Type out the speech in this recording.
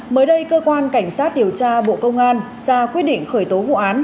mới đây cơ quan cảnh sát điều tra bộ công an ra quyết định khởi tố vụ án